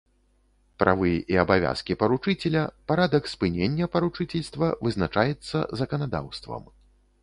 Правы і абавязкі паручыцеля, парадак спынення паручыцельства вызначаецца заканадаўствам.